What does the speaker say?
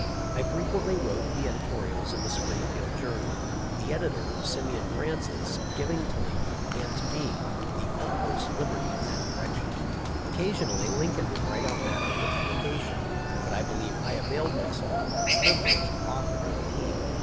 I frequently wrote the editorials in the Springfield Journal, the editor, Simeon Francis, giving to Lincoln and to me the utmost liberty in that direction. Occasionally Lincoln would write out matter for publication, but I believe I availed myself of the privilege oftener than he.